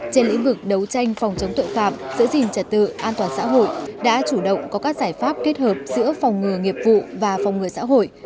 trên lĩnh vực đấu tranh phòng chống tội phạm giữ gìn trật tự an toàn xã hội đã chủ động có các giải pháp kết hợp giữa phòng ngừa nghiệp vụ và phòng ngừa xã hội